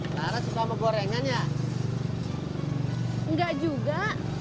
karena susah menggorengannya enggak juga